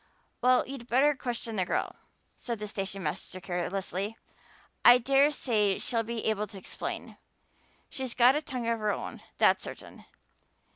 "Well, you'd better question the girl," said the station master carelessly. "I dare say she'll be able to explain she's got a tongue of her own, that's certain.